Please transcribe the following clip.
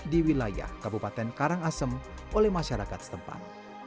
di wilayah kabupaten karangasem oleh masyarakat setempat